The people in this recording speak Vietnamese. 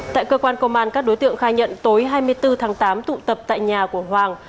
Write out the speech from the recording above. tại cơ quan công an các đối tượng khai nhận tối hai mươi bốn tháng tám tụ tập tại nhà của hoàng